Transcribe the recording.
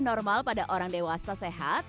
normal pada orang dewasa sehat